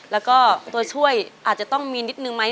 แล้วก็ตัวช่วยอาจจะต้องมีนิดนึงไหม